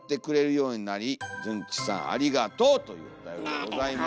というおたよりでございます。